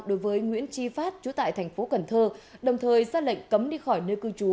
đối với nguyễn chi phát trú tại thành phố cần thơ đồng thời ra lệnh cấm đi khỏi nơi cư trú